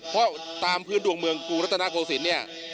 เพราะตามพื้นดวงเมืองกรุงรัฐนาโกศิลป์เนี่ย